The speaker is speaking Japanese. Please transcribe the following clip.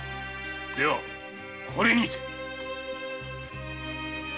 ではこれにて。